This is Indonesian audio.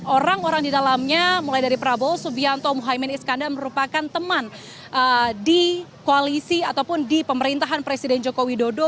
orang orang di dalamnya mulai dari prabowo subianto muhaymin iskandar merupakan teman di koalisi ataupun di pemerintahan presiden joko widodo